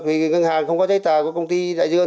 vì ngân hàng không có trái tàu của công ty đại dương